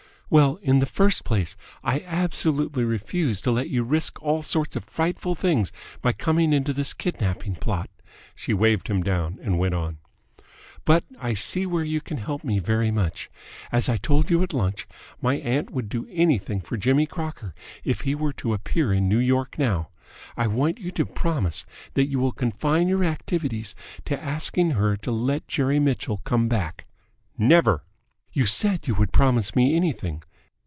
"Well, in the first place I absolutely refuse to let you risk all sorts of frightful things by coming into this kidnapping plot." She waved him down, and went on. "But I see where you can help me very much. As I told you at lunch, my aunt would do anything for Jimmy Crocker if he were to appear in New York now. I want you to promise that you will confine your activities to asking her to let Jerry Mitchell come back." "Never!" "You said you would promise me anything."